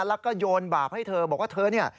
แล้วก็โยนบาปให้เธอบอกว่าเธอเนี่ย